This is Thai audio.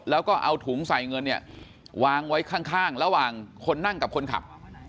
แล้วก็เอาถุงใส่เงินเนี่ยวางไว้ข้างระหว่างคนนั่งกับคนขับ